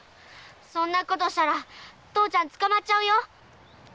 そんなことをしたら父ちゃん捕まっちゃうよ！